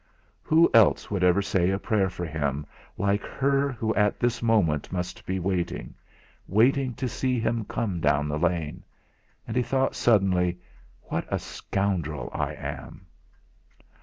Who else would ever say a prayer for him, like her who at this moment must be waiting waiting to see him come down the lane? And he thought suddenly: 'What a scoundrel I am!'